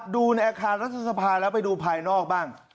ดูในอาคารรัฐสภาแล้วไปดูภายนอกบ้าง